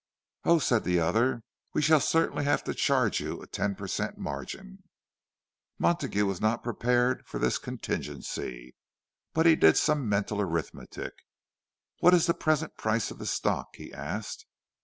"Oh," said the other, "we shall certainly have to charge you a ten per cent, margin." Montague was not prepared for this contingency; but he did some mental arithmetic. "What is the present price of the stock?" he asked.